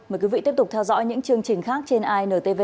mời quý vị tiếp tục theo dõi những chương trình khác trên intv